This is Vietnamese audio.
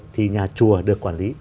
thì nhà chùa được quản lý